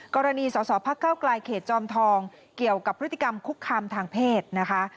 กรณีสอสอพักเก้าไกลเขตจอมทองเกี่ยวกับพฤติกรรมคุกคามทางเพศนะคะ